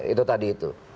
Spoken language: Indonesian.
itu tadi itu